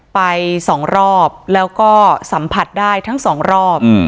ไปสองรอบแล้วก็สัมผัสได้ทั้งสองรอบ